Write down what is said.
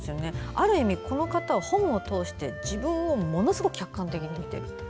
ある意味この方は本を通して自分をものすごく客観的に見ている。